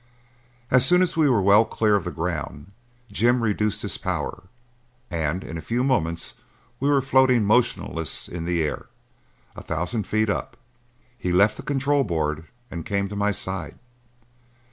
As soon as we were well clear of the ground Jim reduced his power, and in a few moments we were floating motionless in the air, a thousand feet up. He left the control board and came to my side.